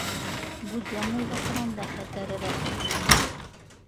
Будённыйҙыҡынан да хәтәрерәк.